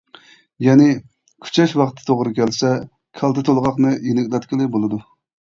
يەنى كۈچەش ۋاقتى توغرا بولسا، كالتە تولغاقنى يېنىكلەتكىلى بولىدۇ.